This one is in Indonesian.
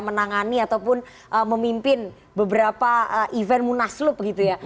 menangani ataupun memimpin beberapa event munaslup gitu ya